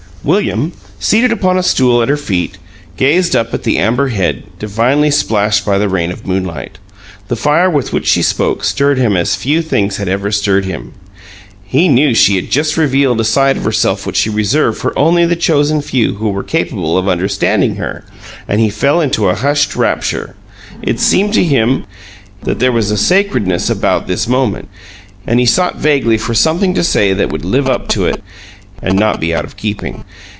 William, seated upon a stool at her feet, gazed up at the amber head, divinely splashed by the rain of moonlight. The fire with which she spoke stirred him as few things had ever stirred him. He knew she had just revealed a side of herself which she reserved for only the chosen few who were capable of understanding her, and he fell into a hushed rapture. It seemed to him that there was a sacredness about this moment, and he sought vaguely for something to say that would live up to it and not be out of keeping.